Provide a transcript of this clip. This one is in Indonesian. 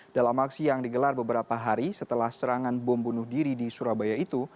dalam aksi yang digelar beberapa hari setelah serangan bom bunuh diri di surabaya itu